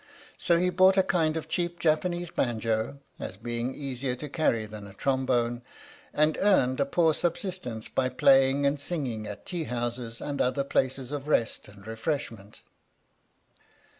So he bought a kind of cheap Japanese banjo, as being easier to carry than a trombone, and earned a poor subsistence by playing and singing at tea houses and other places of rest and refreshment.